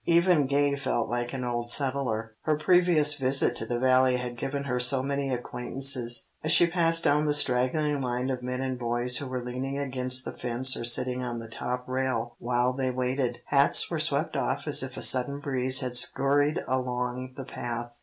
Even Gay felt like an old settler. Her previous visit to the Valley had given her so many acquaintances. As she passed down the straggling line of men and boys who were leaning against the fence or sitting on the top rail while they waited, hats were swept off as if a sudden breeze had scurried along the path.